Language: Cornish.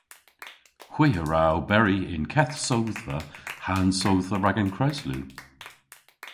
Hwi a wra oberi y'n keth sodhva ha'n sodhva rag an kreslu.